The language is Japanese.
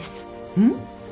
うん？